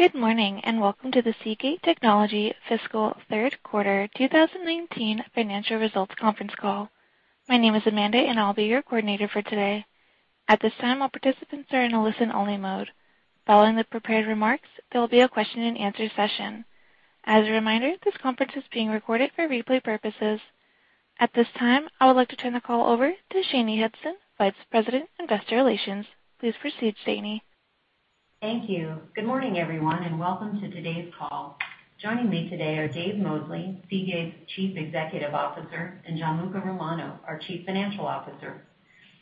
Good morning, welcome to the Seagate Technology fiscal third quarter 2019 financial results conference call. My name is Amanda, and I'll be your coordinator for today. At this time, all participants are in a listen only mode. Following the prepared remarks, there will be a question and answer session. As a reminder, this conference is being recorded for replay purposes. At this time, I would like to turn the call over to Shanye Hudson, Vice President, Investor Relations. Please proceed, Shanye. Thank you. Good morning, everyone, welcome to today's call. Joining me today are Dave Mosley, Seagate's Chief Executive Officer, and Gianluca Romano, our Chief Financial Officer.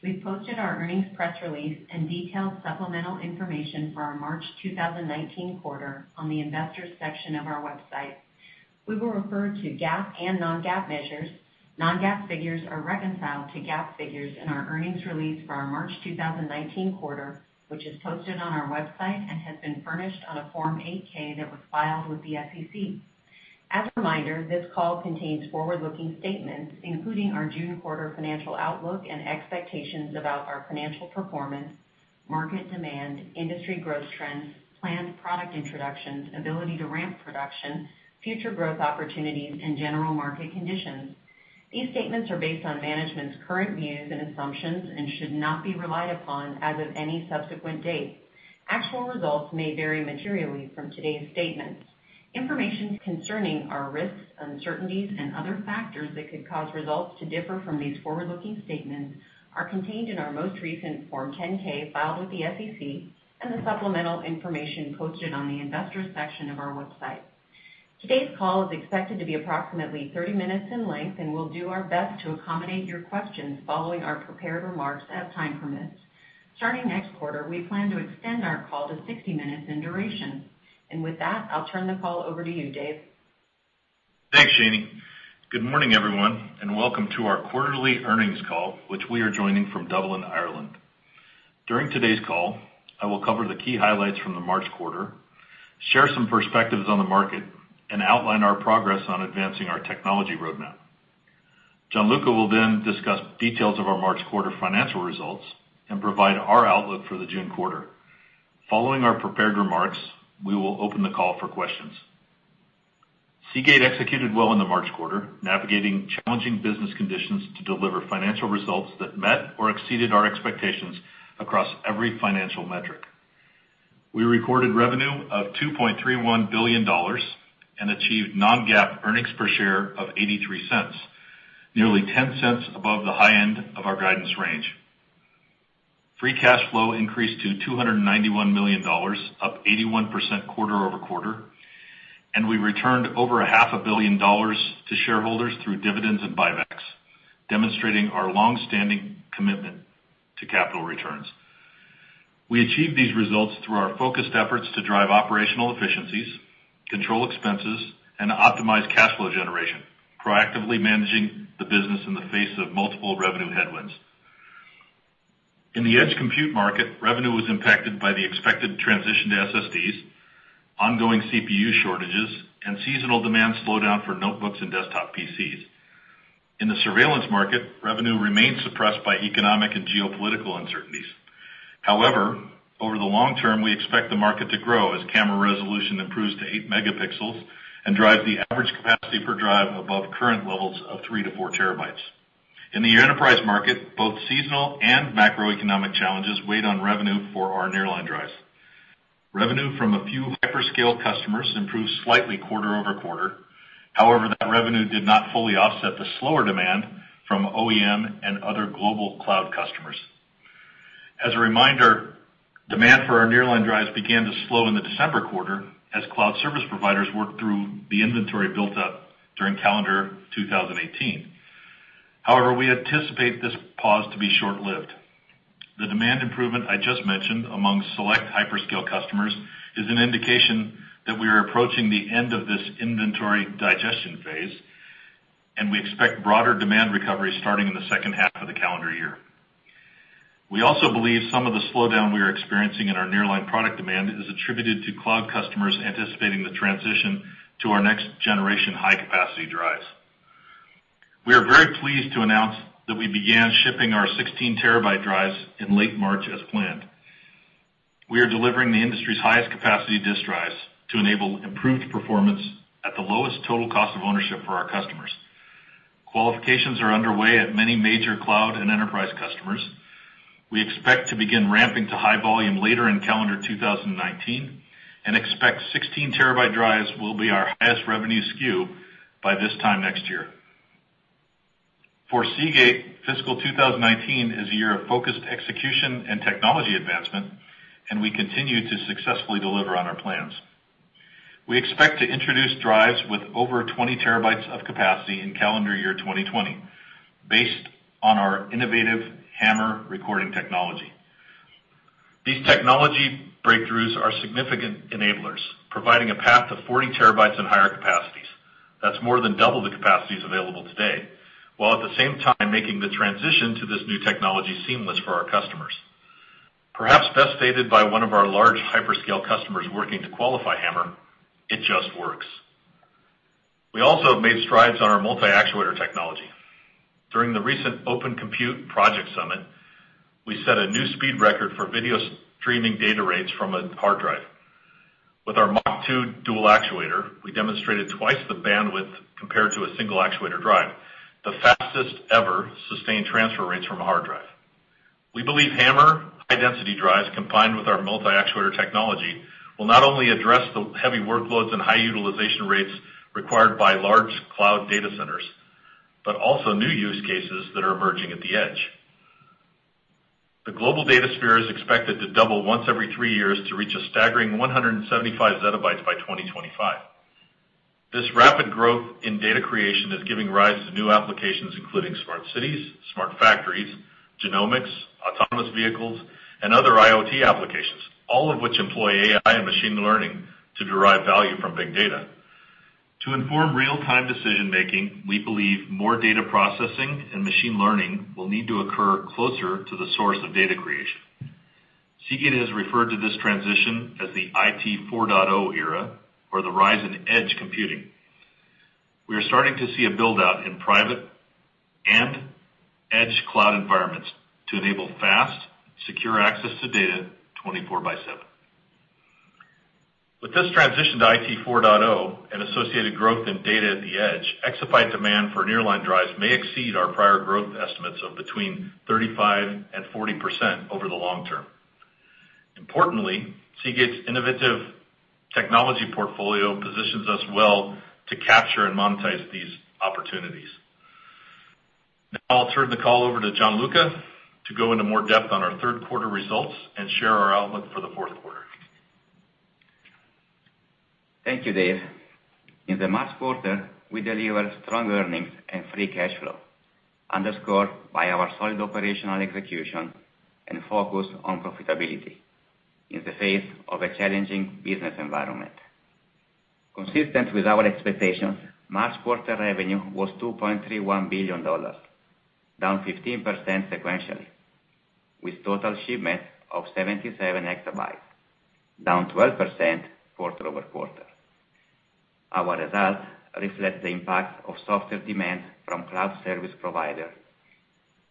We've posted our earnings press release and detailed supplemental information for our March 2019 quarter on the investors section of our website. We will refer to GAAP and non-GAAP measures. Non-GAAP figures are reconciled to GAAP figures in our earnings release for our March 2019 quarter, which is posted on our website and has been furnished on a Form 8-K that was filed with the SEC. As a reminder, this call contains forward-looking statements, including our June quarter financial outlook and expectations about our financial performance, market demand, industry growth trends, planned product introductions, ability to ramp production, future growth opportunities, and general market conditions. These statements are based on management's current views and assumptions and should not be relied upon as of any subsequent date. Actual results may vary materially from today's statements. Information concerning our risks, uncertainties, and other factors that could cause results to differ from these forward-looking statements are contained in our most recent Form 10-K filed with the SEC and the supplemental information posted on the investors section of our website. Today's call is expected to be approximately 30 minutes in length, and we'll do our best to accommodate your questions following our prepared remarks as time permits. Starting next quarter, we plan to extend our call to 60 minutes in duration. With that, I'll turn the call over to you, Dave. Thanks, Shanye. Good morning, everyone, welcome to our quarterly earnings call, which we are joining from Dublin, Ireland. During today's call, I will cover the key highlights from the March quarter, share some perspectives on the market, and outline our progress on advancing our technology roadmap. Gianluca will then discuss details of our March quarter financial results and provide our outlook for the June quarter. Following our prepared remarks, we will open the call for questions. Seagate executed well in the March quarter, navigating challenging business conditions to deliver financial results that met or exceeded our expectations across every financial metric. We recorded revenue of $2.31 billion and achieved non-GAAP earnings per share of $0.83, nearly $0.10 above the high end of our guidance range. Free cash flow increased to $291 million, up 81% quarter-over-quarter, and we returned over a half a billion dollars to shareholders through dividends and buybacks, demonstrating our longstanding commitment to capital returns. We achieved these results through our focused efforts to drive operational efficiencies, control expenses, and optimize cash flow generation, proactively managing the business in the face of multiple revenue headwinds. In the edge compute market, revenue was impacted by the expected transition to SSDs, ongoing CPU shortages, and seasonal demand slowdown for notebooks and desktop PCs. In the surveillance market, revenue remains suppressed by economic and geopolitical uncertainties. However, over the long term, we expect the market to grow as camera resolution improves to 8 megapixels and drives the average capacity per drive above current levels of 3 to 4 terabytes. In the enterprise market, both seasonal and macroeconomic challenges weighed on revenue for our nearline drives. Revenue from a few hyperscale customers improved slightly quarter-over-quarter. That revenue did not fully offset the slower demand from OEM and other global cloud customers. As a reminder, demand for our nearline drives began to slow in the December quarter as cloud service providers worked through the inventory built up during calendar 2018. We anticipate this pause to be short-lived. The demand improvement I just mentioned among select hyperscale customers is an indication that we are approaching the end of this inventory digestion phase, and we expect broader demand recovery starting in the second half of the calendar year. We also believe some of the slowdown we are experiencing in our nearline product demand is attributed to cloud customers anticipating the transition to our next generation high-capacity drives. We are very pleased to announce that we began shipping our 16 terabyte drives in late March as planned. We are delivering the industry's highest capacity disk drives to enable improved performance at the lowest total cost of ownership for our customers. Qualifications are underway at many major cloud and enterprise customers. We expect to begin ramping to high volume later in calendar 2019 and expect 16 terabyte drives will be our highest revenue SKU by this time next year. For Seagate, fiscal 2019 is a year of focused execution and technology advancement, and we continue to successfully deliver on our plans. We expect to introduce drives with over 20 terabytes of capacity in calendar year 2020 based on our innovative HAMR recording technology. These technology breakthroughs are significant enablers, providing a path to 40 terabytes and higher capacities. That's more than double the capacities available today, while at the same time making the transition to this new technology seamless for our customers. Perhaps best stated by one of our large hyperscale customers working to qualify HAMR. We also have made strides on our multi-actuator technology. During the recent Open Compute Project Summit, we set a new speed record for video streaming data rates from a hard drive. With our MACH.2 dual actuator, we demonstrated twice the bandwidth compared to a single actuator drive, the fastest ever sustained transfer rates from a hard drive. We believe HAMR high density drives combined with our multi-actuator technology will not only address the heavy workloads and high utilization rates required by large cloud data centers, but also new use cases that are emerging at the edge. The global data sphere is expected to double once every three years to reach a staggering 175 zettabytes by 2025. This rapid growth in data creation is giving rise to new applications including smart cities, smart factories, genomics, autonomous vehicles, and other IoT applications, all of which employ AI and machine learning to derive value from big data. To inform real-time decision-making, we believe more data processing and machine learning will need to occur closer to the source of data creation. Seagate has referred to this transition as the IT 4.0 era or the rise in edge computing. We are starting to see a build-out in private and edge cloud environments to enable fast, secure access to data 24 by 7. With this transition to IT 4.0 and associated growth in data at the edge, exabyte demand for nearline drives may exceed our prior growth estimates of between 35% and 40% over the long term. Importantly, Seagate's innovative technology portfolio positions us well to capture and monetize these opportunities. Now I'll turn the call over to Gianluca to go into more depth on our third quarter results and share our outlook for the fourth quarter. Thank you, Dave. In the March quarter, we delivered strong earnings and free cash flow, underscored by our solid operational execution and focus on profitability in the face of a challenging business environment. Consistent with our expectations, March quarter revenue was $2.31 billion, down 15% sequentially, with total shipments of 77 exabytes, down 12% quarter-over-quarter. Our results reflect the impact of softer demand from cloud service provider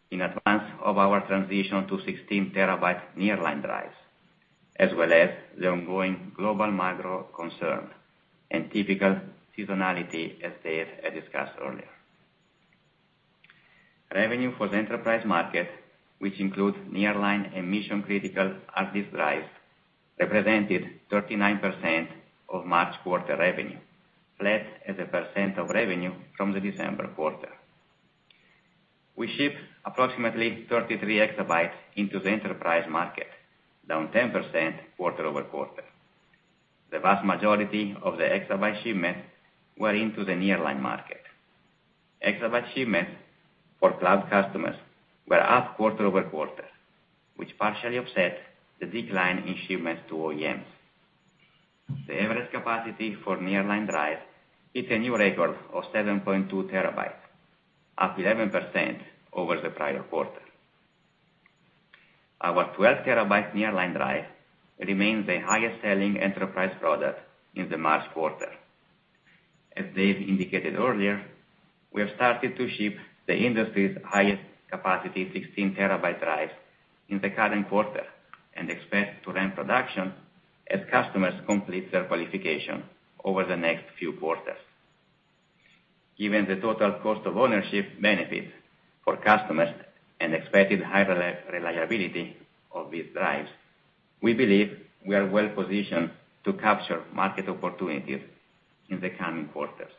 in advance of our transition to 16 terabyte nearline drives, as well as the ongoing global macro concern and typical seasonality as Dave had discussed earlier. Revenue for the enterprise market, which include nearline and mission-critical hard disk drive, represented 39% of March quarter revenue, flat as a percent of revenue from the December quarter. We shipped approximately 33 exabytes into the enterprise market, down 10% quarter-over-quarter. The vast majority of the exabyte shipments were into the nearline market. Exabyte shipments for cloud customers were up quarter-over-quarter, which partially offset the decline in shipments to OEMs. The average capacity for nearline drive hit a new record of 7.2 terabytes, up 11% over the prior quarter. Our 12 terabyte nearline drive remains the highest-selling enterprise product in the March quarter. As Dave indicated earlier, we have started to ship the industry's highest capacity 16 terabyte drives in the current quarter and expect to ramp production as customers complete their qualification over the next few quarters. Given the total cost of ownership benefit for customers and expected high reliability of these drives, we believe we are well-positioned to capture market opportunities in the coming quarters.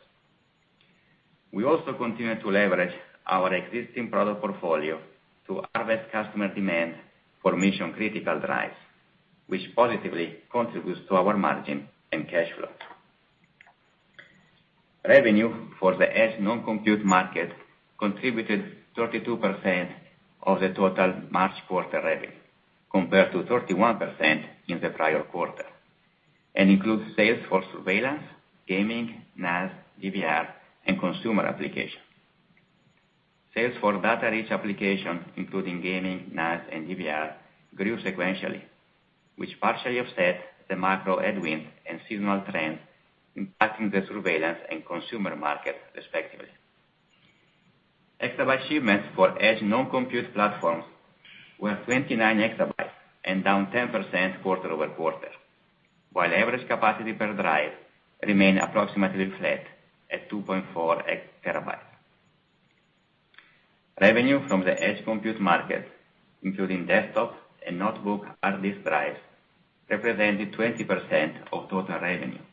We also continue to leverage our existing product portfolio to harvest customer demand for mission-critical drives, which positively contributes to our margin and cash flow. Revenue for the edge non-compute market contributed 32% of the total March quarter revenue, compared to 31% in the prior quarter, and includes sales for surveillance, gaming, NAS, DVR, and consumer application. Sales for data-rich application, including gaming, NAS, and DVR, grew sequentially, which partially offset the macro headwinds and seasonal trends impacting the surveillance and consumer market, respectively. Exabyte shipments for edge non-compute platforms were 29 exabytes and down 10% quarter-over-quarter, while average capacity per drive remain approximately flat at 2.4 terabytes. Revenue from the edge compute market, including desktop and notebook hard disk drives, represented 20% of total revenue,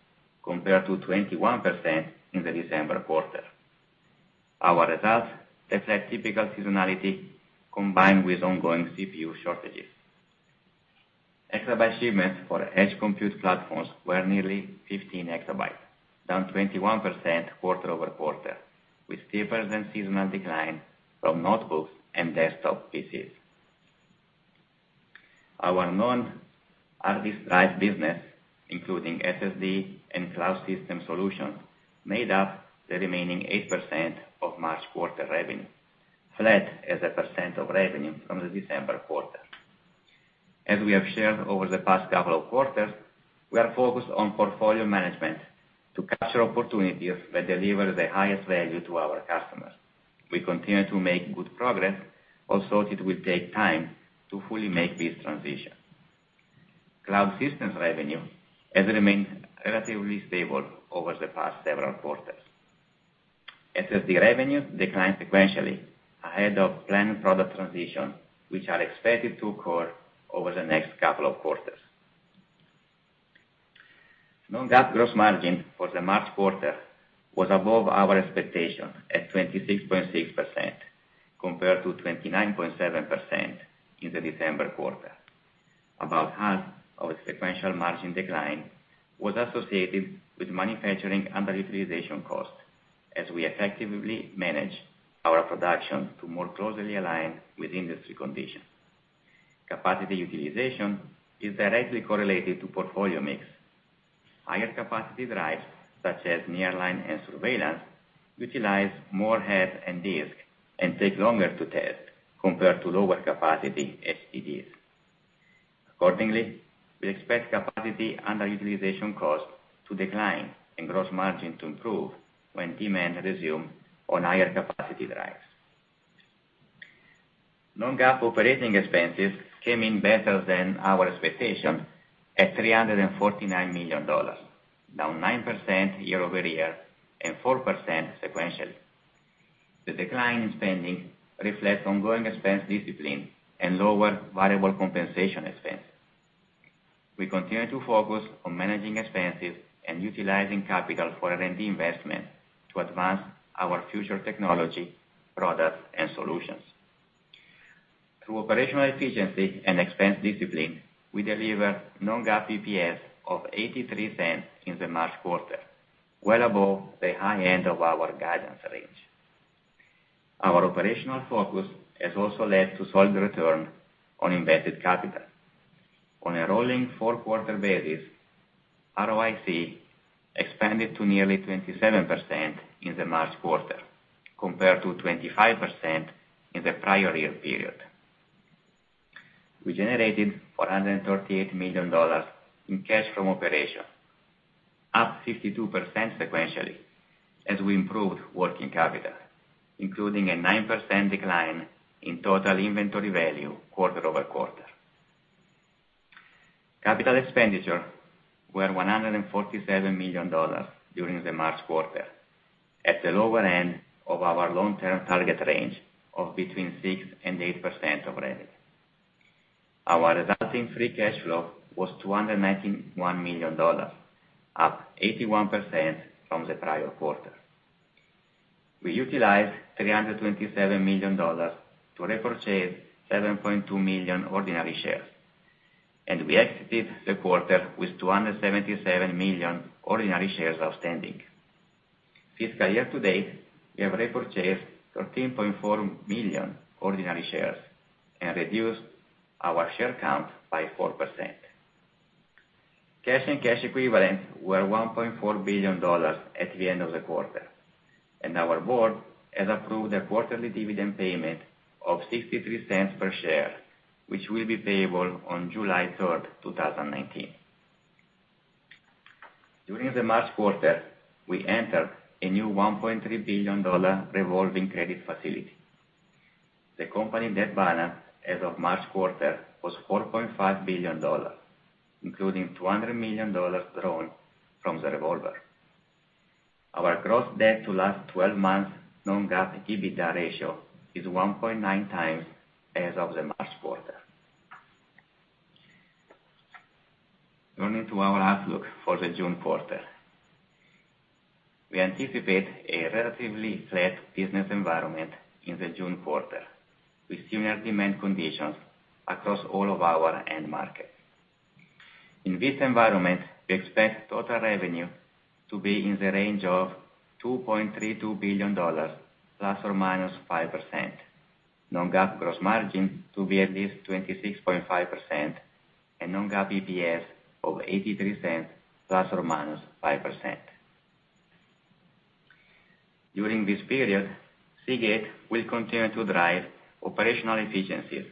compared to 21% in the December quarter. Our results reflect typical seasonality combined with ongoing CPU shortages. Exabyte shipments for edge compute platforms were nearly 15 exabytes, down 21% quarter-over-quarter, with steeper than seasonal decline from notebooks and desktop PCs. Our non-hard disk drive business, including SSD and cloud system solution, made up the remaining 8% of March quarter revenue, flat as a percent of revenue from the December quarter. As we have shared over the past couple of quarters, we are focused on portfolio management to capture opportunities that deliver the highest value to our customers. We continue to make good progress, also it will take time to fully make this transition. Cloud systems revenue has remained relatively stable over the past several quarters. SSD revenue declined sequentially ahead of planned product transition, which are expected to occur over the next couple of quarters. Non-GAAP gross margin for the March quarter was above our expectation at 26.6%, compared to 29.7% in the December quarter. About half of the sequential margin decline was associated with manufacturing underutilization costs, as we effectively manage our production to more closely align with industry conditions. Capacity utilization is directly correlated to portfolio mix. Higher capacity drives, such as nearline and surveillance, utilize more heads and disks and take longer to test compared to lower capacity HDDs. Accordingly, we expect capacity underutilization costs to decline and gross margin to improve when demand resumes on higher capacity drives. Non-GAAP operating expenses came in better than our expectation at $349 million, down 9% year-over-year and 4% sequentially. The decline in spending reflects ongoing expense discipline and lower variable compensation expense. We continue to focus on managing expenses and utilizing capital for R&D investment to advance our future technology, products, and solutions. Through operational efficiency and expense discipline, we delivered non-GAAP EPS of $0.83 in the March quarter, well above the high end of our guidance range. Our operational focus has also led to solid return on invested capital. On a rolling four-quarter basis, ROIC expanded to nearly 27% in the March quarter, compared to 25% in the prior year period. We generated $438 million in cash from operations, up 52% sequentially as we improved working capital, including a 9% decline in total inventory value quarter-over-quarter. Capital expenditure were $147 million during the March quarter, at the lower end of our long-term target range of between 6%-8% of revenue. Our resulting free cash flow was $291 million, up 81% from the prior quarter. We utilized $327 million to repurchase 7.2 million ordinary shares. We exited the quarter with 277 million ordinary shares outstanding. Fiscal year-to-date, we have repurchased 13.4 million ordinary shares and reduced our share count by 4%. Cash and cash equivalents were $1.4 billion at the end of the quarter, our board has approved a quarterly dividend payment of $0.63 per share, which will be payable on July 3rd, 2019. During the March quarter, we entered a new $1.3 billion revolving credit facility. The company debt balance as of March quarter was $4.5 billion, including $200 million drawn from the revolver. Our gross debt to last 12 months non-GAAP EBITDA ratio is 1.9 times as of the March quarter. Turning to our outlook for the June quarter. We anticipate a relatively flat business environment in the June quarter with similar demand conditions across all of our end markets. In this environment, we expect total revenue to be in the range of $2.32 billion ±5%, non-GAAP gross margin to be at least 26.5%, and non-GAAP EPS of $0.83 ±5%. During this period, Seagate will continue to drive operational efficiencies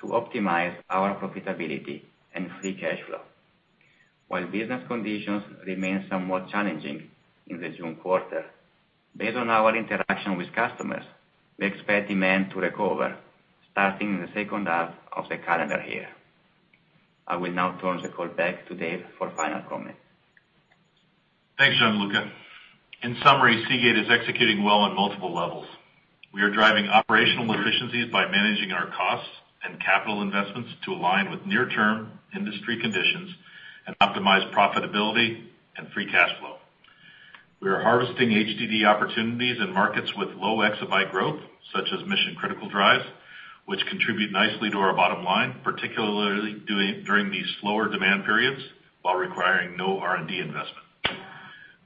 to optimize our profitability and free cash flow. While business conditions remain somewhat challenging in the June quarter, based on our interaction with customers, we expect demand to recover starting in the second half of the calendar year. I will now turn the call back to Dave for final comments. Thanks, Gianluca. In summary, Seagate is executing well on multiple levels. We are driving operational efficiencies by managing our costs and capital investments to align with near-term industry conditions and optimize profitability and free cash flow. We are harvesting HDD opportunities in markets with low exabyte growth, such as mission-critical drives, which contribute nicely to our bottom line, particularly during these slower demand periods, while requiring no R&D investment.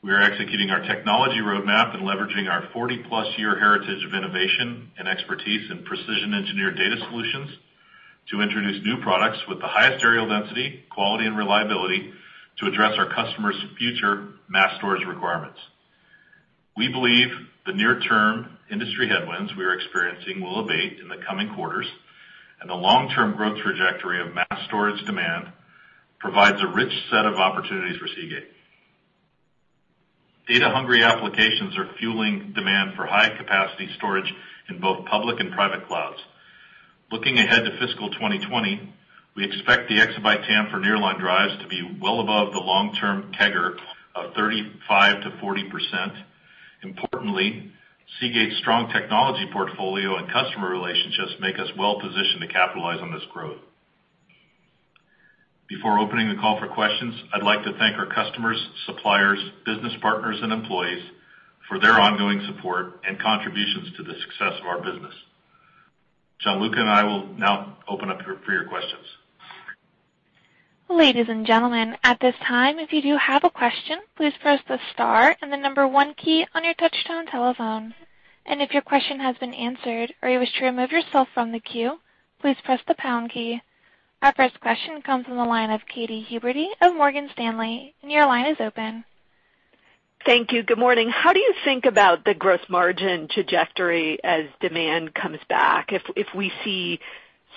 We are executing our technology roadmap and leveraging our 40-plus-year heritage of innovation and expertise in precision engineered data solutions to introduce new products with the highest aerial density, quality, and reliability to address our customers' future mass storage requirements. We believe the near-term industry headwinds we are experiencing will abate in the coming quarters, and the long-term growth trajectory of mass storage demand provides a rich set of opportunities for Seagate. Data-hungry applications are fueling demand for high-capacity storage in both public and private clouds. Looking ahead to fiscal 2020, we expect the exabyte TAM for nearline drives to be well above the long-term CAGR of 35%-40%. Importantly, Seagate's strong technology portfolio and customer relationships make us well-positioned to capitalize on this growth. Before opening the call for questions, I'd like to thank our customers, suppliers, business partners, and employees for their ongoing support and contributions to the success of our business. Gianluca and I will now open up for your questions. Ladies and gentlemen, at this time, if you do have a question, please press the star and the number one key on your touch-tone telephone. If your question has been answered or you wish to remove yourself from the queue, please press the pound key. Our first question comes from the line of Katy Huberty of Morgan Stanley. Your line is open. Thank you. Good morning. How do you think about the gross margin trajectory as demand comes back? If we see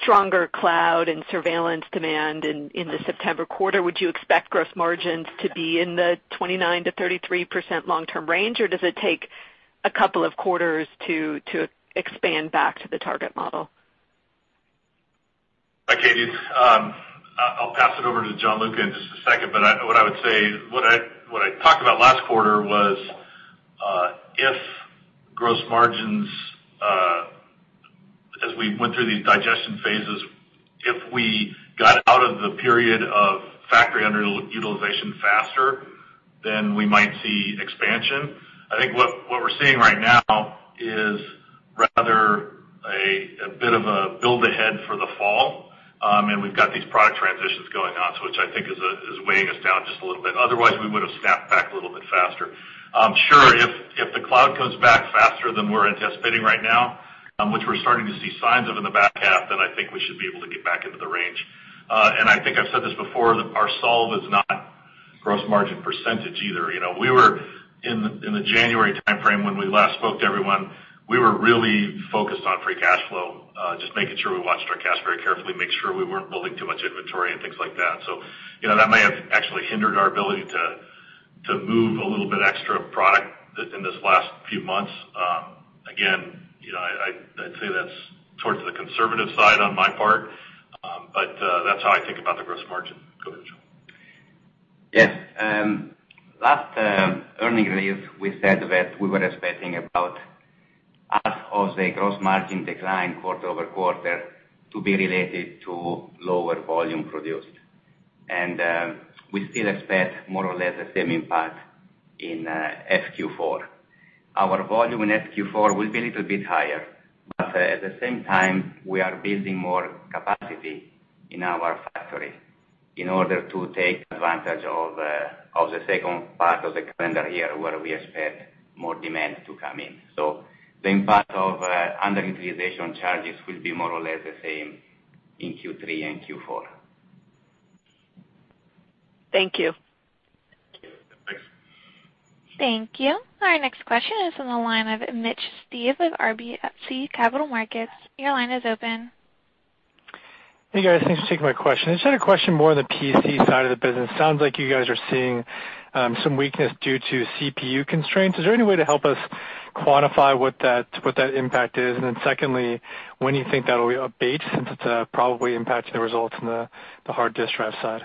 stronger cloud and surveillance demand in the September quarter, would you expect gross margins to be in the 29%-33% long-term range? Does it take a couple of quarters to expand back to the target model? Hi, Katy. I'll pass it over to Gianluca in just a second, but what I would say, what I talked about last quarter was, if gross margins, as we went through these digestion phases, if we got out of the period of factory underutilization faster, then we might see expansion. I think what we're seeing right now is rather a bit of a build-ahead for the fall. We've got these product transitions going on too, which I think is weighing us down just a little bit. Otherwise, we would've snapped back a little bit faster. Sure, if the cloud comes back faster than we're anticipating right now, which we're starting to see signs of in the back half, then I think we should be able to get back into the range. I think I've said this before, that our solve is not gross margin percentage either. In the January timeframe, when we last spoke to everyone, we were really focused on free cash flow, just making sure we watched our cash very carefully, make sure we weren't building too much inventory and things like that. That may have actually hindered our ability to move a little bit extra product in these last few months. Again, I'd say that's towards the conservative side on my part, but that's how I think about the gross margin. Go ahead, Gian. Yes. Last earnings release, we said that we were expecting about half of the gross margin decline quarter-over-quarter to be related to lower volume produced. We still expect more or less the same impact in FQ4. Our volume in FQ4 will be a little bit higher, at the same time, we are building more capacity in our factory in order to take advantage of the second part of the calendar year, where we expect more demand to come in. The impact of underutilization charges will be more or less the same in Q3 and Q4. Thank you. Thank you. Thanks. Thank you. Our next question is on the line of Mitch Steves of RBC Capital Markets. Your line is open. Hey, guys. Thanks for taking my question. I just had a question more on the PC side of the business. Sounds like you guys are seeing some weakness due to CPU constraints. Is there any way to help us quantify what that impact is? Secondly, when you think that'll abate, since it's probably impacting the results in the hard disk drive side?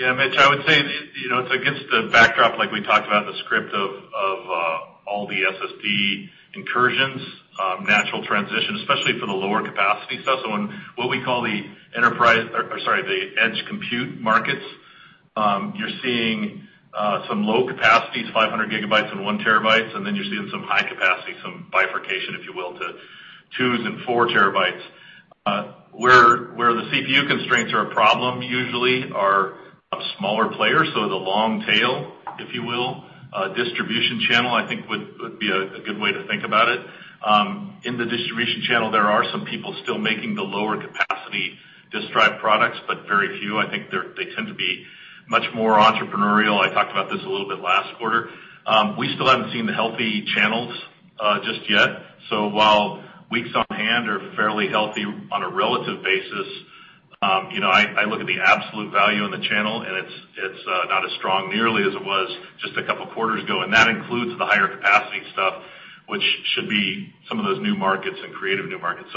Yeah, Mitch, I would say it's against the backdrop, like we talked about in the script, of all the SSD incursions, natural transition, especially for the lower capacity stuff. On what we call the enterprise or sorry, the edge compute markets, you're seeing some low capacities, 500 GB and 1 TB, you're seeing some high capacity, some bifurcation, if you will, to 2 TB and 4 TB. Where the CPU constraints are a problem usually are smaller players, so the long tail, if you will, distribution channel, I think would be a good way to think about it. In the distribution channel, there are some people still making the lower capacity disk drive products, but very few. I think they tend to be much more entrepreneurial. I talked about this a little bit last quarter. We still haven't seen the healthy channels just yet. While weeks on hand are fairly healthy on a relative basis, I look at the absolute value in the channel, and it's not as strong nearly as it was just a couple of quarters ago. That includes the higher capacity stuff, which should be some of those new markets and creative new markets.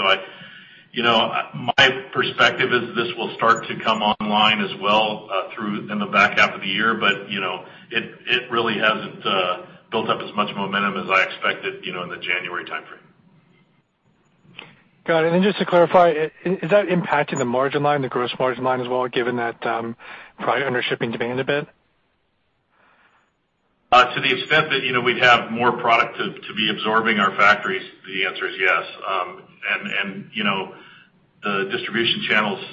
My perspective is this will start to come online as well in the back half of the year, but it really hasn't built up as much momentum as I expected in the January timeframe. Got it. Just to clarify, is that impacting the margin line, the gross margin line as well, given that probably undershipping demand a bit? To the extent that we'd have more product to be absorbing our factories, the answer is yes. The distribution channels,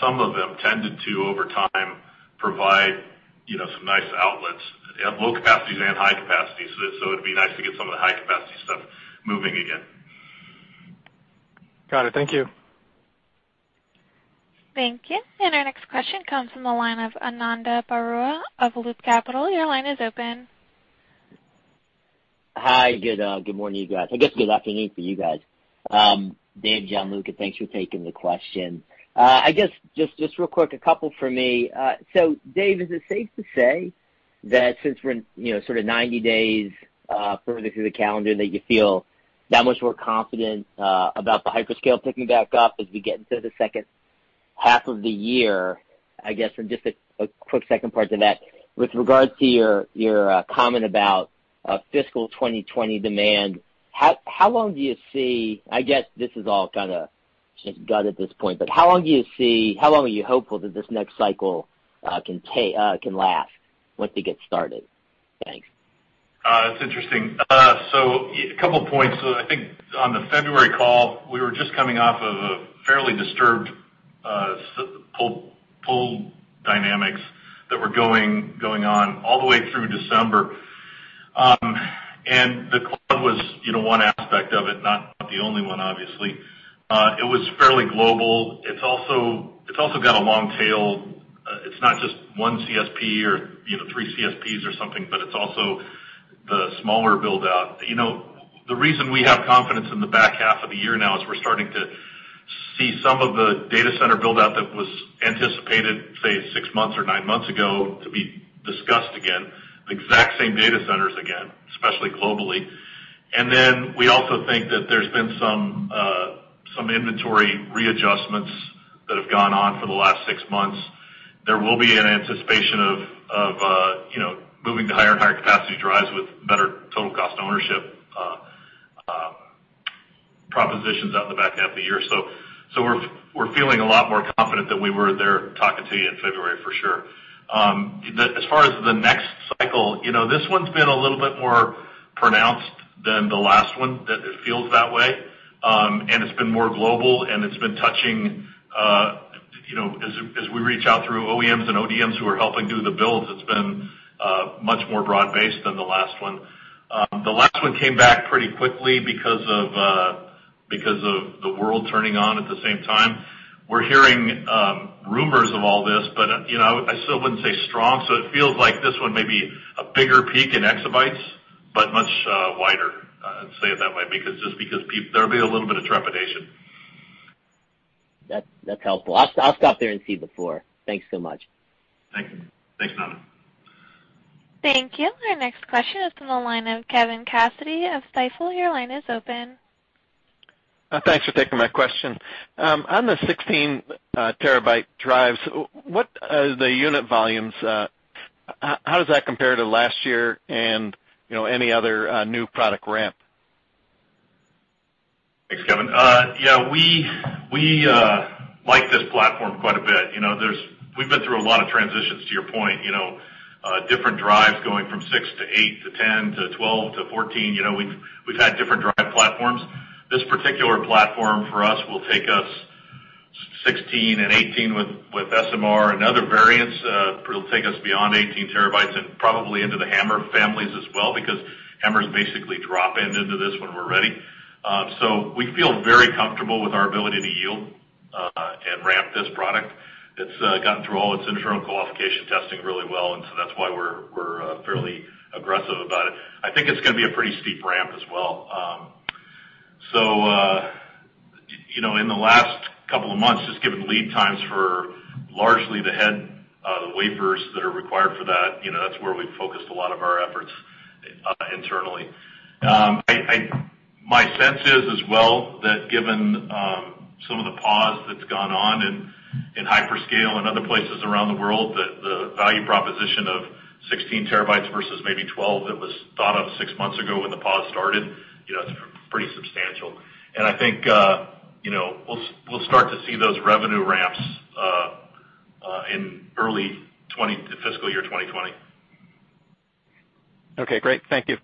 some of them tended to, over time, provide some nice outlets at low capacities and high capacities. It'd be nice to get some of the high-capacity stuff moving in. Got it. Thank you. Thank you. Our next question comes from the line of Ananda Baruah of Loop Capital. Your line is open. Hi. Good morning to you guys. I guess good afternoon for you guys. Dave, Gianluca, thanks for taking the question. I guess just real quick, a couple for me. Dave, is it safe to say that since we're sort of 90 days further through the calendar, that you feel that much more confident about the hyperscale picking back up as we get into the second half of the year? I guess, just a quick second part to that, with regards to your comment about fiscal 2020 demand, how long do you see I guess this is all kind of just gut at this point, but how long do you see, how long are you hopeful that this next cycle can last once it gets started? Thanks. That's interesting. A couple points. I think on the February call, we were just coming off of a fairly disturbed pull dynamics that were going on all the way through December. The cloud was one aspect of it, not the only one, obviously. It was fairly global. It's also got a long tail. It's not just one CSP or three CSPs or something, but it's also the smaller build-out. The reason we have confidence in the back half of the year now is we're starting to see some of the data center build-out that was anticipated, say, six months or nine months ago to be discussed again, the exact same data centers again, especially globally. We also think that there's been some inventory readjustments that have gone on for the last six months. There will be an anticipation of moving to higher and higher capacity drives with better total cost ownership propositions out in the back half of the year. We're feeling a lot more confident than we were there talking to you in February, for sure. As far as the next cycle, this one's been a little bit more pronounced than the last one, it feels that way. It's been more global, and it's been touching as we reach out through OEMs and ODMs who are helping do the builds, it's been much more broad-based than the last one. The last one came back pretty quickly because of the world turning on at the same time. We're hearing rumors of all this, but I still wouldn't say strong, it feels like this one may be a bigger peak in exabytes, but much wider. I'd say it that way, just because there'll be a little bit of trepidation. That's helpful. I'll stop there. Thanks so much. Thanks. Thanks, Ananda. Thank you. Our next question is from the line of Kevin Cassidy of Stifel. Your line is open. Thanks for taking my question. On the 16 terabyte drives, what are the unit volumes? How does that compare to last year and any other new product ramp? Thanks, Kevin. Yeah, we like this platform quite a bit. We've been through a lot of transitions, to your point, different drives going from six to eight to 10 to 12 to 14. We've had different drive platforms. This particular platform for us will take us 16 and 18 with SMR and other variants. It'll take us beyond 18 terabytes and probably into the HAMR families as well, because HAMR is basically drop-in into this when we're ready. We feel very comfortable with our ability to yield, and ramp this product. It's gotten through all its internal qualification testing really well, that's why we're fairly aggressive about it. I think it's going to be a pretty steep ramp as well. In the last couple of months, just given the lead times for largely the head, the wafers that are required for that's where we've focused a lot of our efforts internally. My sense is as well, that given some of the pause that's gone on in hyperscale and other places around the world, that the value proposition of 16 terabytes versus maybe 12 that was thought of six months ago when the pause started, it's pretty substantial. I think we'll start to see those revenue ramps in early fiscal year 2020. Okay, great. Thank you.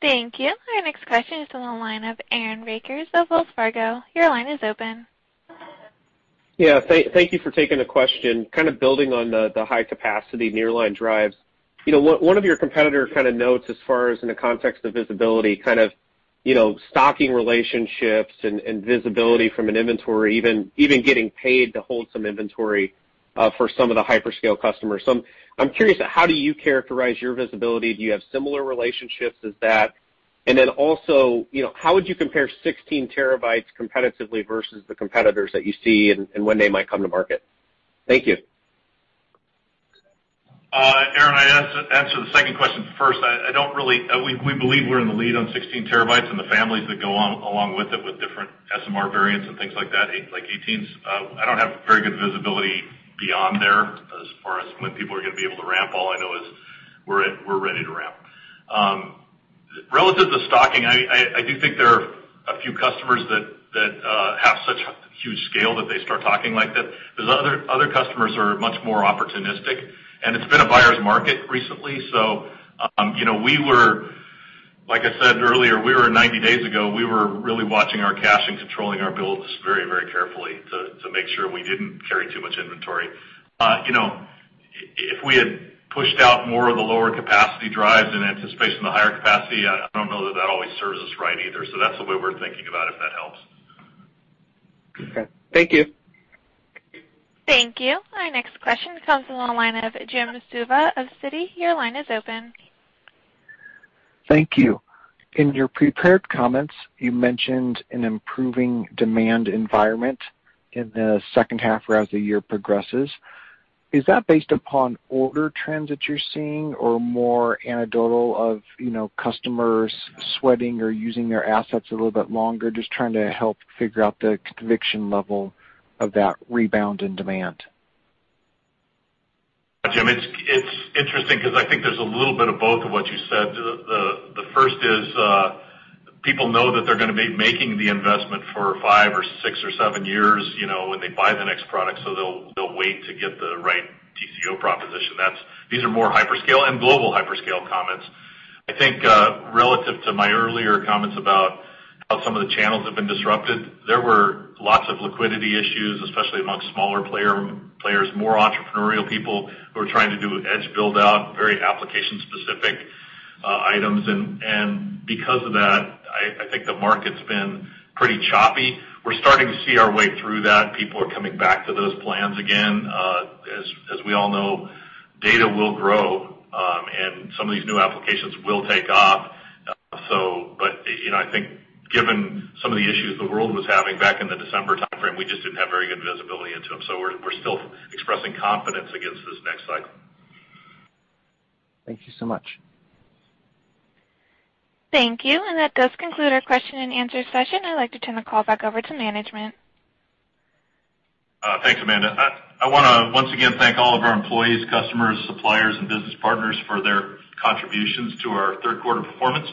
Thank you. Our next question is on the line of Aaron Rakers of Wells Fargo. Your line is open. Thank you for taking the question. Kind of building on the high capacity nearline drives. One of your competitors kind of notes as far as in the context of visibility, kind of stocking relationships and visibility from an inventory, even getting paid to hold some inventory for some of the hyperscale customers. I'm curious, how do you characterize your visibility? Do you have similar relationships as that? Then also, how would you compare 16 terabytes competitively versus the competitors that you see and when they might come to market? Thank you. Aaron, I'll answer the second question first. We believe we're in the lead on 16 terabytes and the families that go along with it with different SMR variants and things like that, like 18s. I don't have very good visibility beyond there as far as when people are going to be able to ramp. All I know is we're ready to ramp. Relative to stocking, I do think there are a few customers that have such huge scale that they start talking like that, because other customers are much more opportunistic, and it's been a buyer's market recently. Like I said earlier, 90 days ago, we were really watching our cash and controlling our builds very carefully to make sure we didn't carry too much inventory. If we had pushed out more of the lower capacity drives in anticipation of the higher capacity, I don't know that that always serves us right either. That's the way we're thinking about it, if that helps. Okay, thank you. Thank you. Our next question comes on the line of Jim Suva of Citigroup. Your line is open. Thank you. In your prepared comments, you mentioned an improving demand environment in the second half or as the year progresses. Is that based upon order trends that you're seeing or more anecdotal of customers sweating or using their assets a little bit longer? Just trying to help figure out the conviction level of that rebound in demand. Jim, it's interesting because I think there's a little bit of both of what you said. The first is people know that they're going to be making the investment for five or six or seven years when they buy the next product, so they'll wait to get the right TCO proposition. These are more hyperscale and global hyperscale comments. I think relative to my earlier comments about how some of the channels have been disrupted, there were lots of liquidity issues, especially amongst smaller players, more entrepreneurial people who are trying to do edge build-out, very application-specific items. Because of that, I think the market's been pretty choppy. We're starting to see our way through that. People are coming back to those plans again. As we all know, data will grow, and some of these new applications will take off. I think given some of the issues the world was having back in the December timeframe, we just didn't have very good visibility into them. We're still expressing confidence against this next cycle. Thank you so much. Thank you. That does conclude our question and answer session. I'd like to turn the call back over to management. Thanks, Amanda. I want to once again thank all of our employees, customers, suppliers, and business partners for their contributions to our third quarter performance.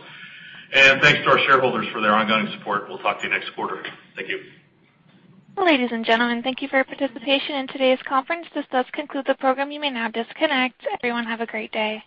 Thanks to our shareholders for their ongoing support. We'll talk to you next quarter. Thank you. Ladies and gentlemen, thank you for your participation in today's conference. This does conclude the program. You may now disconnect. Everyone have a great day.